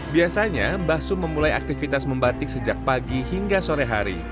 biasanya mbah sum memulai aktivitas membatik sejak pagi hingga sore hari